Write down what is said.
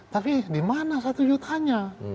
tapi dimana satu jutanya